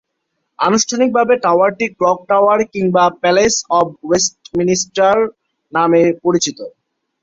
আনুষ্ঠানিকভাবে টাওয়ারটি clock tower কিংবা প্যালেস অব ওয়েস্টমিনস্টার নামে পরিচিত।